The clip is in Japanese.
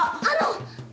あの！